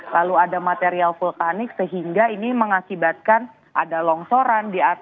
lalu ada material vulkanik sehingga ini mengakibatkan ada longsoran